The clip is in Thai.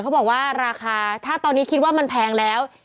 เขาบอกว่าราคาถ้าตอนนี้คิดว่ามันแพงแล้ว